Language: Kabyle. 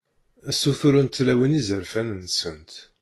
Ssuturent tlawin izerfan-nsent.